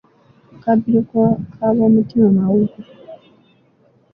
Akabbiro k’abomutima mawuggwe.